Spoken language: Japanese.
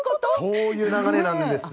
そういう流れなんですね。